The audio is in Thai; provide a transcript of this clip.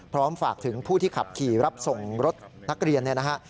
พร้อมฝากถึงผู้ที่ขับขี่รับส่งรถนักเรียนนะฮะ